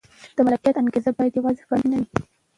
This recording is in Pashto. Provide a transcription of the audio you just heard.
د ملکیت انګېزه باید یوازې فردي نه وي.